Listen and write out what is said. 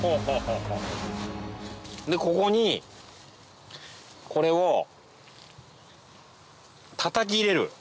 でここにこれを叩き入れる。